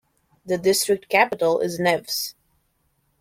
The district capital is Neves.